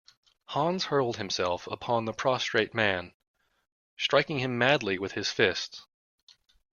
Hans hurled himself upon the prostrate man, striking madly with his fists.